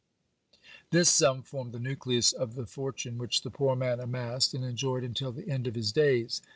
This sum formed the nucleus of the fortune which the poor man amassed and enjoyed until the end of his days.